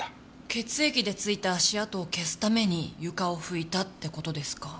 血液でついた足跡を消すために床を拭いたって事ですか。